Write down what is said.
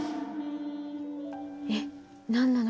えっ何なの？